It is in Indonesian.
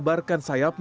dan kondisi motor